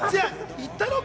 行ったろか？